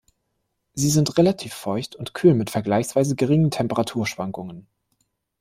Sie sind relativ feucht und kühl mit vergleichsweise geringen Temperaturschwankungen.